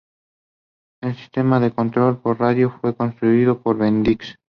El sistema de control por radio fue construido por Bendix.